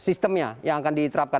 sistemnya yang akan kita lakukan